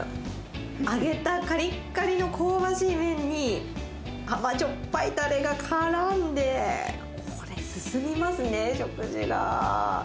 揚げたかりっかりの香ばしい麺に、甘じょっぱいたれがからんで、これ、進みますね、食事が。